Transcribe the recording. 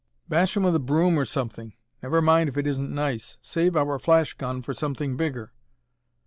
"Bash 'em with a broom, or something! Never mind if it isn't nice. Save our flash gun for something bigger."